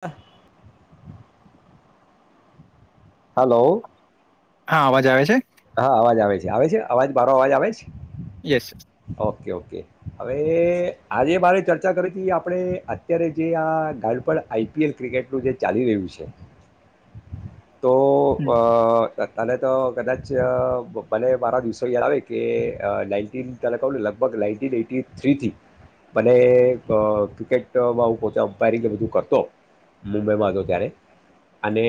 બહ [unintelligible] હલો. હા, અવાજ આવે છે. હા, અવાજ આવે છે આવે છે, અવાજ મારો અવાજ આવે છે. યસ ઓકે ઓકે હવે આજે મારે ચર્ચા કરી હતી આપણે અત્યારે જે આ ગાલપણ આઈપીએલ ક્રિકેટનું જે ચાલી રહ્યું છે. તો અ તત કાલે તો કદાચ પછી અ ઓ મને મારા દિવસો યાદ આવે કે અ નાઇન્ટીન તને કહું ને લગભગ નાઈન્ટીન એઈટી થ્રીથી મને અ ક્રિકેટમાં હું પોતે અમ્પાયરિંગ એ બધું કરતો મુંબઈમાં હતો ત્યારે અને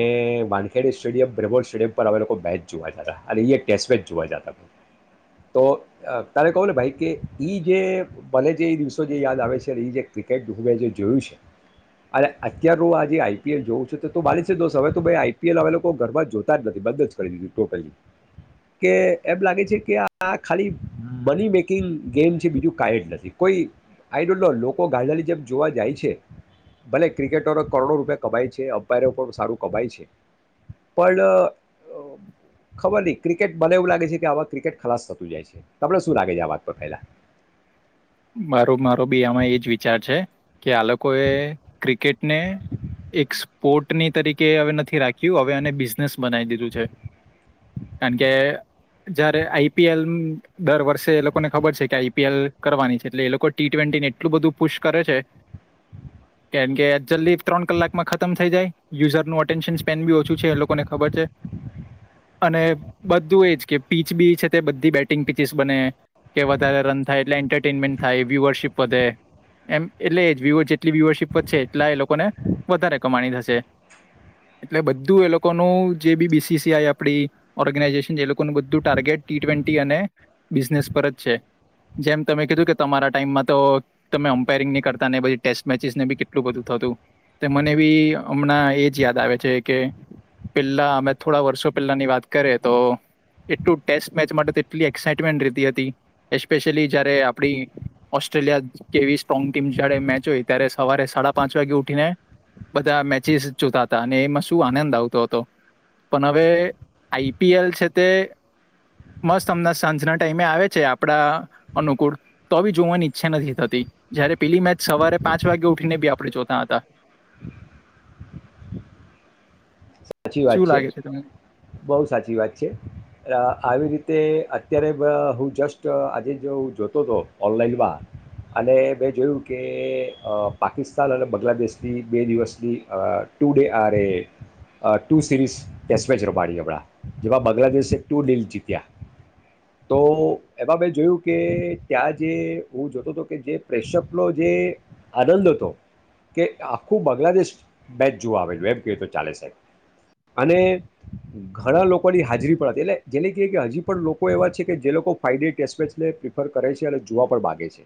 વાનખેડે સ્ટેડિયમ બ્રમોલ સ્ટેડિયમ પર અમે લોકો મેચ જોવા જતા અને એ એક ટેસ્ટ મેચ જોવા જતા હતા તો તારે કહો ને ભાઈ કે એ જે ભલે જે એ દિવસો જે યાદ આવે છે એ જે ક્રિકેટ હું જે જોયું છે અને અત્યારું આ જે આઈપીએલ જોવું છે તો તો માની છે દોસ્ત હવે તો ભાઈ આઈપીએલ હવે લોકો ઘરમાં જોતા જ નથી બંધ જ કરી દીધું ટોટલી કે એમ લાગે છે કે આ ખાલી મની મેકિંગ ગેમ છે બીજું કાઈ જ નથી કોઈ આઈ ડોન્ટ નો લોકો ગાદાની જેમ જોવા જાય છે ભલે ક્રિકેટરો કરોડો રૂપિયા કપાય છે અમ્પાયરો પણ સારું કપાય છે પણ અ ખબર ની ક્રિકેટ મને એવું લાગે છે કે આવા ક્રિકેટ ખલાસ થતું જાય છે તમને શું લાગે છે આ વાત પર પહેલા મારો મારો બી આમાં એ જ વિચાર છે કે આ લોકોએ ક્રિકેટને એક સ્પોર્ટની તરીકે હવે નથી રાખ્યું હવે આને બિઝનેસ બનાવી દીધું છે. કારણ કે જયારે આઈપીએલ દર વર્ષે એ લોકોને ખબર છે કે આઈપીએલ કરવાની છે. એટલે એ લોકો ટી ટ્વેન્ટીને એટલું બધું પુશ કરે છે કેમ કે જલ્દી ત્રણ કલાકમાં ખતમ થઈ જાય યુઝરનું અટેન્શન સ્પેન બી ઓછું છે એ લોકોને ખબર છે અને બધું એજ કે પીચ બી છે તે બધી બેટિંગ પીચસ બને કે વધારે રન થાય એટલે એન્ટરમેન્ટ થાય એબી વરશીપ વધે એમ એટલે્ય વ્યુવર જેટલી વ્યુવરશીપ વધશે એટલા એ લોકોને વધારે કમાણી થશે એટલે બધું એ લોકોનું જે બી બીસીસીઆઈ આપડી ઓર્ગેનાઈઝેશન એ લોકો બું ટાર્ગેટ ટી ટવેનટી અને બિઝનેસ પર જ છે જેમ તમે કીધું કે તમારા ટાઈમમાં તો તમે અમ્પાયરિંગની કરતા ને બધી ટેસ્ટ મેચિસને બી કેટલું બધું થતું તો મને બી હમણાં એ જ યાદ આવે છે કે પહેલાં અમે થોડા વર્ષો પહેલાંની વાત કરીએ તો એટલું ટેસ્ટ મેચ માટે તો એટલી એક્સાાઈટમેન્ટ રેતી હતી એસ્પેશિયલી જ્યારે આપણી ઓસ્ટ્રેલિયા જેવી સ્ટ્રોંગ ટીમ જારે મેચ હોય ત્યારે સવારે સાડા પાંચ વાગે ઉઠીને બધા મેચિસ જોતા હતા અને એમાં શું આનંદ આવતો હતો પણ હવે આઈપીએલ છે તે મસ્ત અમણા સાંજના ટાઈમે આવે છે આપડા અનુકૂળ તો બી જોવાની ઈચ્છા નથી થતી જયારે પેલી મેચ સવારે પાંચ વાગે ઉઠીને બી આપણે જોતા હતા. સાચી વાત શું છે લાગે તમને બહુ સાચી વાત છે અ આવી રીત તે અત્યારે હું જસ્ટ આજે જો હું જોતો હતો ઓનલાઈનમાં અને મેં જોયું કે અ પાકિસ્તાન અને બાંગ્લાદેશની બે દિવસની અ ટુ ડે આ રે અ ટુ સિરીઝ ટેસ્ટ મેચ રમાડી હમણાં જેમાં બાંગ્લાદેશે ટુ ડીલ જીત્યા તો એમાં મેં જોયું કે ત્યાં જે હું જોતો હતો કે જે પ્રેશપનો જે આનંદ હતો કે આખું બાંગ્લાદેશ મેચ જોવા આવે એમ ક તો ચાલે સાહેબ અને ઘણા લોકોની હાજરી પણ હતી એટલે જેને કે કે હજી પણ લોકો એવા છે કે જે લોકો ફાયદે ટેસ્ટમેચને પ્રિફર કરે છે અને જોવા પણ માગે છે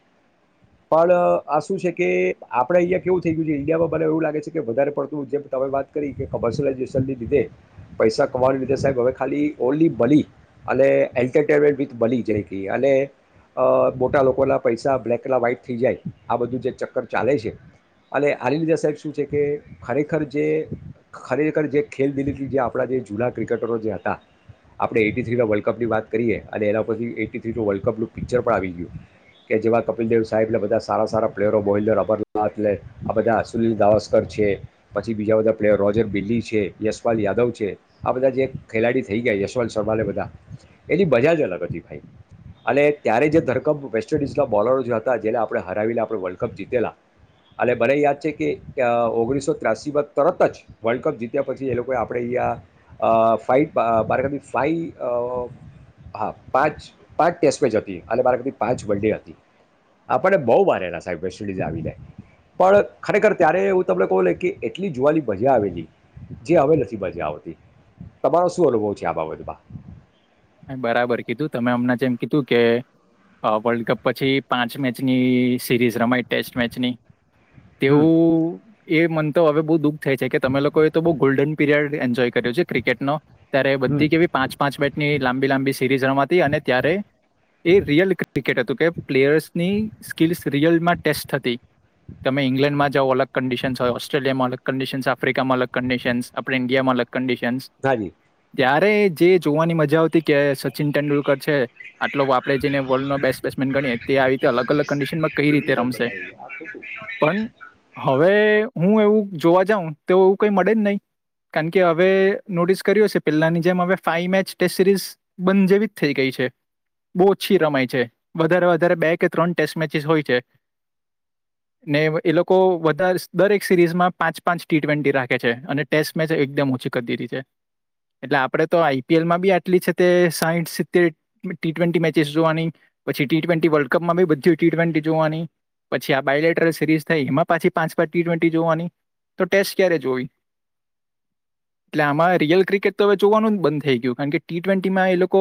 પણ આ શું છે કે આપડે અહિયા કેવું થઈ ગયું છે ઇન્ડિયામાં મને એવું લાગે છે કે વધારે પડતું જે તમે વાત કરી કે વર્સલાઇઝેશનને લીધે પૈસા કમાવાના લીધે સાહેબ હવે ખાલી ઓનલી બલી અને એન્ટરટેમેન્ટ વિથ બલી જે કે અને અ મોટા લોકોના પૈસા બ્લેક ના વાઈટ થઈ જાય આ બધું જે ચક્કર ચાલે છે અને આની લીધે સાહેબ શું છે કે ખરેખર જે ખરેખર જે ખેલ દિલ્હીથી જે આપણા જે જૂના ક્રિકેટરો જે હતા આપણે એટી થ્રીના વર્લ્ડ કપની વાત કરીએ અને એના પરછથી એટી થ્રીનું વર્લ્ડ કપનું પિક્ચર પણ આવી ગયું કે જેમાં કપિલદેવ સાહેબને બધા સારા સારા પ્લેયરો મોહેન્દ્ર અમરનાથ એટલે આ બધા સુનીલ દાવસ્કર છે પછી બીજા બધા પ્લેયરો [inaudible] બિલ્લી છે યશવાલ યાદવ છે આ બધા જે ખેલાડી થઈ ગયા યશવંત શર્માને બધા એની મજા જ અલગ હતી ભાઈ અને ત્યારે જે ધરકપ વેસ્ટ ઇન્ડિઝના બોલરો જે હતા જેને આપણે હરાવીને આપણે વર્લ્ડ કપ જીતેલા અને મને યાદ છે કે ઓગણીસો ત્ર્યાસીમા તરત જ વર્લ્ડ કપ જીત્યા પછી એ લોકોએ આપણે અહીંયા અ ફાઇ અ મારા ખયાલથી ફાઇ અ હા પાંચ પાંચ ટેસ્ટ મેચ હતી અને મારાતી પાંચ વન ડે હતી આપણને બહુ મારેલા સાહેબ વેસ્ટ ઇન્ડિઝ આવી જાય પણ ખરેખર ત્યારે એવું તમને કહું ને કે એટલી જુવાની મજા આવી જે હવે નથી મજા આવતી તમારો શું અનુભવ છે આ બાબતમાં બરાબર કીધું તમે હમણાં જે એમ કીધું કે અ વર્લ્ડ કપ પછી પાંચ મેચની સિરીઝ રમાય ટેસ્ટ મેચની હમ તેવું એ મન તોવ હવે બો દુ થઈ છે કે તમે લોકો એ તો બહુ ગોલ્ડન પીરિયડ એન જોય કાઢ્યો છે ક્રિકેટ નો ત્યારે હમ બધી કેવી પાંચ પાંચ બેટ એ લાંબી લાંબી સીરીઝ રમાતી અને ત્યારે એ રિયલ ક્રિકેટ હતું કે પ્લેયર્સની સ્કીલ્સ રિયલમાં ટેસ્ટ હતી તમે ઇંગ્લેન્ડમાં જાવઓ અલગ કંડિશન્સ હોય ઓસ્ટ્રેલિયામાં અલગ કંડિશન્સ આફ્રિકામાં અલગ કંડિશન્સ આપે ઇન્ડિયામાં અલગ કંડીિશનસ હાજી જ્યાં અરે જે જોવાની મજા મજા આવતી કે સચિન તેંડુલકર છે. આટલો આપે જેને વર્લ્ડ નો બેસ્ટ બેટ્સમેન ગણીએ તે આવી રીતે અલગ અલગ કંડિશનમાં કઈ રીતે રમશે પણ હ હવે હું એવું જોવા જાઉં તો એવું કંઈ મળે જ નહી કારણ કે હવે નોટિસ કર્યું હશે છે પેલાની જેમ હવે ફાઇ મેચ ટેસ્ટ સિરીઝ બંધ જેવી જ થઈ ગઈ છે બહુ ઓછી રમાય છે વધારે વધારે બે કે ત્રણ ટેસ્ટ મેચિસ હોય છે ને એ લોકો બધા જ દરેક સિરીઝમાં પાંચ પાંચ ટી ટ્વેન્ટી રાખે છે અને ટેસ્ટ મેચ એકદમ ઓછી કરી દધી છે એટલે આપડે તો આઈપીએલમાં બી આટલી છે તે સાઈટ સિતેર ટી ટ્વેન્ટી મેચિસ જોવાની પછી ટી ટ્વેન્ટી વર્લ્ડ કપમાં બી બધી ટી ટ્વેન્ટી જોવાની પછી આ બાયલેટર સિરીઝ થાય એમાં પાછી પાંચ પાંચ ટી ટ્વેન્ટી જોવાની તો ટેસ્ટ ક્યારે જોવી એટલે આમાં રિયલ ક્રિકેટ તો અવે જોવાનું બંધ થઈ ગયું કારણ કે ટી ટ્વેન્ટીમાં એ લોકો